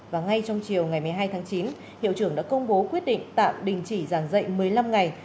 và ngay trong chiều ngày một mươi hai tháng chín hiệu trưởng đã công bố quyết định tạm đình chỉ giảng dạy một mươi năm ngày